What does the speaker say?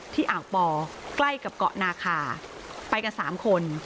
ที่อ่าวป่อใกล้กับเกาะนาคาไปกันสามคน